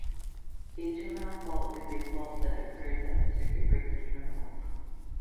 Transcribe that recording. A terminal fault is a fault that occurs at the circuit breaker terminals.